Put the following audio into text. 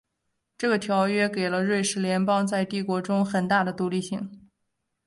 这个条约给了瑞士邦联在帝国中的很大的独立性。